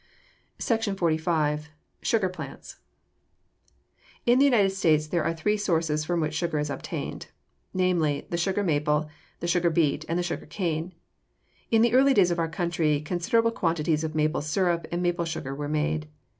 SECTION XLV. SUGAR PLANTS In the United States there are three sources from which sugar is obtained; namely, the sugar maple, the sugar beet, and the sugar cane. In the early days of our country considerable quantities of maple sirup and maple sugar were made.